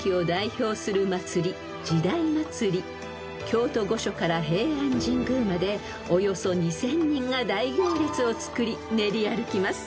［京都御所から平安神宮までおよそ２，０００人が大行列をつくり練り歩きます］